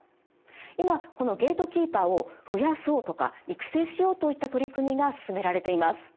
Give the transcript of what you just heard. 今このゲートキーパーを増やそうとか育成しようといった取り組みが進められています。